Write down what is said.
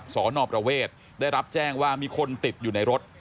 สนประเวทได้รับแจ้งว่ามีคนติดอยู่ในรถ